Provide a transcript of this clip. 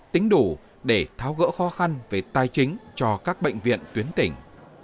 tính đủ để tháo gỡ khó khăn về tài chính cho các bệnh viện tuyến tỉnh